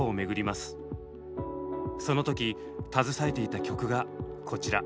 その時携えていた曲がこちら。